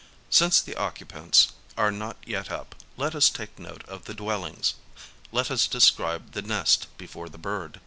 Since the occupants are not yet up, let us take note of the dwellings : let us describe the nest before the bird.